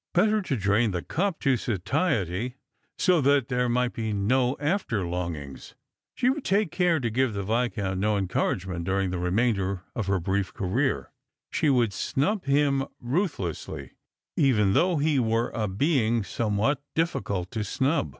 Better to drain the cup to satiety, so that there might be no after longings. She would take care to give the Viscount no encouragement during the remainder of her brief career ; she would snub him ruthlessly, even though he were a being some yrhat difficult to snub.